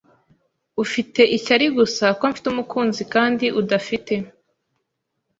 Ufite ishyari gusa ko mfite umukunzi kandi udafite.